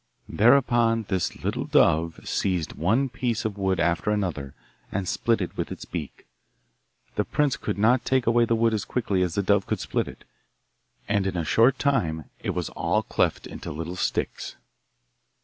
Thereupon the little dove seized one piece of wood after another and split it with its beak. The prince could not take away the wood as quickly as the dove could split it, and in a short time it was all cleft into little sticks.